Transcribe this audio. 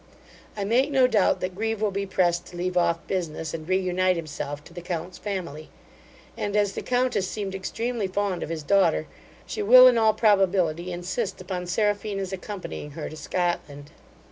I make no doubt that Grieve will be pressed to leave off business, and re unite himself to the count's family; and as the countess seemed extremely fond of his daughter, she will, in all probability, insist upon Seraphina's accompanying her to Scotland.